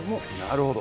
なるほど。